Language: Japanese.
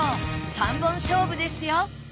３本勝負ですよ。